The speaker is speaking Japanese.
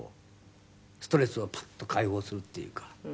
ストレスをパッと解放するっていうか。